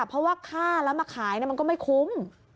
เพราะว่าค่าแล้วมาขายมันก็ไม่คุ้ม